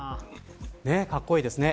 かっこいいですね。